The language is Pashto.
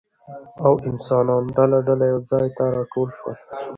او انسانان ډله ډله يو ځاى ته راټول شول